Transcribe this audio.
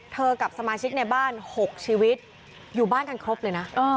กับสมาชิกในบ้าน๖ชีวิตอยู่บ้านกันครบเลยนะ